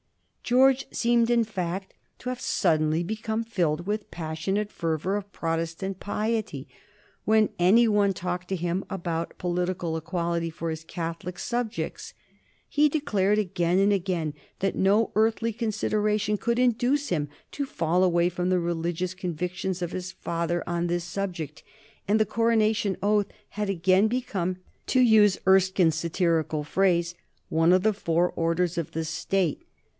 George seemed, in fact, to have suddenly become filled with a passionate fervor of Protestant piety when any one talked to him about political equality for his Catholic subjects. He declared again and again that no earthly consideration could induce him to fall away from the religious convictions of his father on this subject, and the coronation oath had again become, to use Erskine's satirical phrase, "one of the four orders of the State."